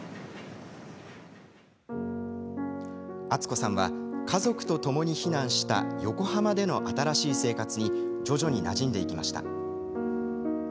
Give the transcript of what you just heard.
敦子さんは家族とともに避難した横浜での新しい生活に徐々になじんでいきました。